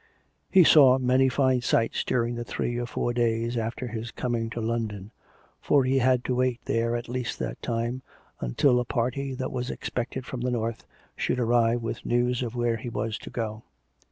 He saw many fine sights during the three or four days after his coming to London; for he had to wait there at least that time, until a party that was expected from the north should arrive with news of where he was to go.